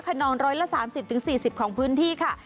ขนร้อยละ๓๐๔๐ของพื้นที่ค่ะ